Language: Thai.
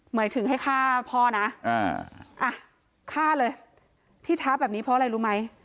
หมายถึงให้ฆ่าพ่อนะฆ่าเลยที่ท้าแบบนี้เพราะอะไรรู้ไหม